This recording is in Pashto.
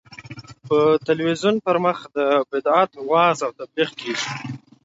په تلویزیون پر مخ د بدعت وعظ او تبلیغ کېږي.